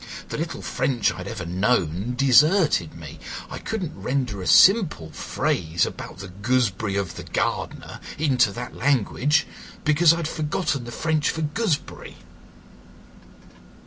The little French I had ever known deserted me; I could not render a simple phrase about the gooseberry of the gardener into that language, because I had forgotten the French for gooseberry."